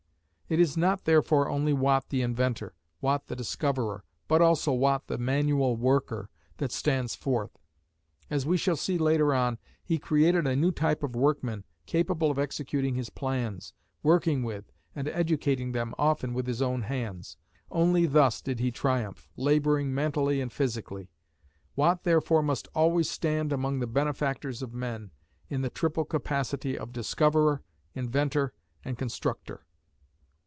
It is not, therefore, only Watt the inventor, Watt the discoverer, but also Watt, the manual worker, that stands forth. As we shall see later on, he created a new type of workmen capable of executing his plans, working with, and educating them often with his own hands. Only thus did he triumph, laboring mentally and physically. Watt therefore must always stand among the benefactors of men, in the triple capacity of discoverer, inventor, and constructor.